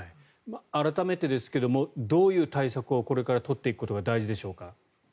改めてですがどういう対策をこれから取っていくことが大事でしょうか。